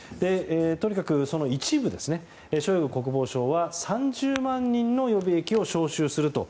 とにかくその一部ショイグ国防相は３０万人の予備役を招集すると。